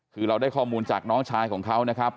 คือเราได้ข้อมูลจากน้องชายของเขานะครับ